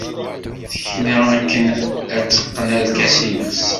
Tekna akken ad teqqen arkas-nnes.